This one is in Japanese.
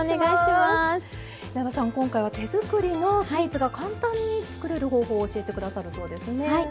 今回は手づくりのスイーツが簡単に作れる方法を教えてくださるそうですね。